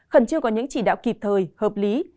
khẩn trương có những chỉ đạo kịp thời hợp lý